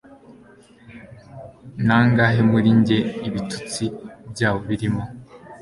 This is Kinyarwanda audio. Nangahe muri njye ibitutsi byabo birimo